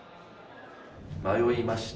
迷いました。